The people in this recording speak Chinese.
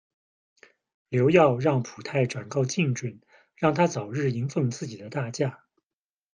刘曜让卜泰转告靳准，让他早日迎奉自己的大驾。